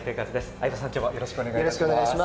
相葉さん、今日はよろしくお願いします。